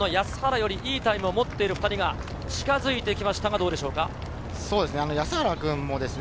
３６秒ほど安原よりいいタイムを持っている２人が近づいてきましたがどうでしょうか？